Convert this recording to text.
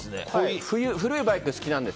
古いバイクが好きなんです。